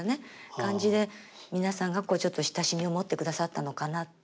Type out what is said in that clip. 感じで皆さんがちょっと親しみを持ってくださったのかなって。